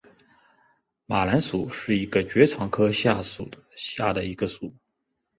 马蓝属是爵床科下的一个属。